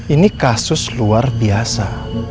ini kasus luar biasa